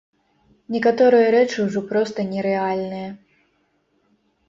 Некаторыя рэчы ўжо проста нерэальныя.